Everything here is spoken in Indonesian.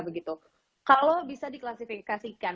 begitu kalau bisa diklasifikasikan